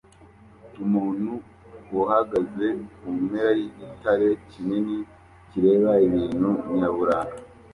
Umuntu uhagaze kumpera yigitare kinini kireba ibintu nyaburanga